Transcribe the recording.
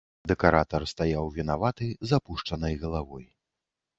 Дэкаратар стаяў вінаваты, з апушчанай галавой.